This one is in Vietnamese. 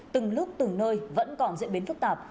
từng lúc từng nơi vẫn còn diễn biến phức tạp